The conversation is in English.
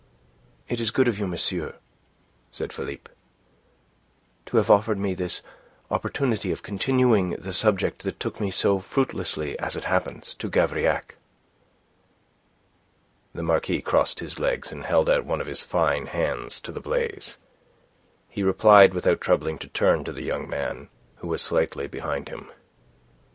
"It is good of you, monsieur," said Philippe, "to have offered me this opportunity of continuing the subject that took me so fruitlessly, as it happens, to Gavrillac." The Marquis crossed his legs, and held one of his fine hands to the blaze. He replied, without troubling to turn to the young man, who was slightly behind him.